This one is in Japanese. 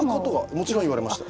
もちろん言われました。